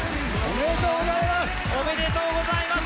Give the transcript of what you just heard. おめでとうございます！